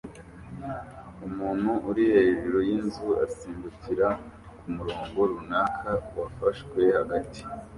Umuntu uri hejuru yinzu asimbukira kumurongo runaka wafashwe hagati